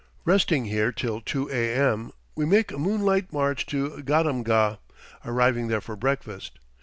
Resting here till 2 a.m., we make a moonlight march to Gadamgah, arriving there for breakfast.